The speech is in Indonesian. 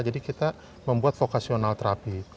jadi kita membuat vocational therapy